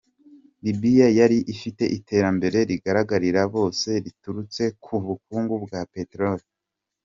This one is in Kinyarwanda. Libiya yari ifite iterambere rigaragarira bose riturutse ku bukungu bwa peterole.